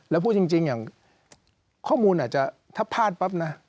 แล้วพูดจริงอย่างข้อมูลอาจจะถ้าพลาดปั๊บนะ